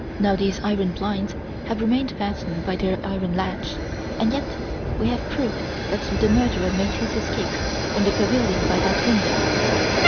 Now these iron blinds have remained fastened by their iron latch; and yet we have proof that the murderer made his escape from the pavilion by that window!